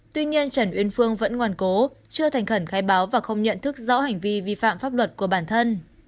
tuy nhiên trần uyên phương vẫn ngoan cố chưa thành khẩn khai báo và không nhận thức rõ hành vi vi phạm pháp luật của bản thân